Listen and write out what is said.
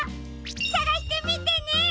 さがしてみてね！